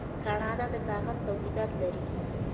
کاناډا د کاغذ تولیدات لري.